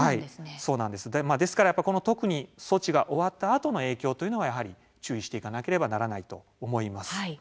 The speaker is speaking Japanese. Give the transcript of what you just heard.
ですから特に措置が終わったあとの影響というのはやはり注意していかなければならないと思います。